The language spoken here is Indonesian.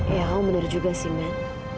ya om bener juga sih man